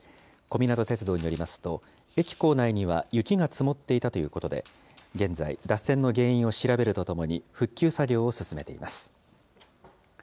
小湊鐡道によりますと、駅構内には雪が積もっていたということで、現在、脱線の原因を調べるとともに、復旧作業を進めています。